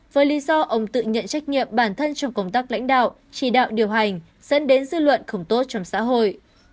với lý do ông tự nhận trách nhiệm bản thân trong công tác lãnh đạo chỉ đạo điều hành dẫn đến dư luận không tốt trong xã hội